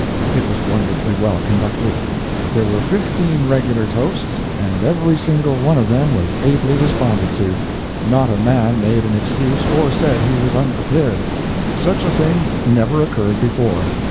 It was wonderfully well conducted. There were fifteen regular toasts, and every single one of them was ably responded to. Not a man made an excuse or said he was unprepared. Such a thing never occurred before.